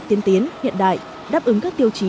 tiên tiến hiện đại đáp ứng các tiêu chí